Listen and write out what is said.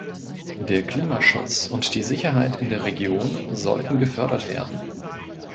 Der Klimaschutz und die Sicherheit in der Region sollten gefördert werden.